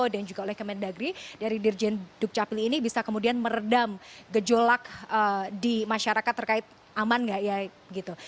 dan juga oleh kemendagri dari dirjen dukcapili ini bisa kemudian meredam gejolak di masyarakat terkait aman nggak ya gitu